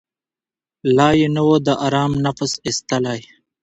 لا یې نه وو د آرام نفس ایستلی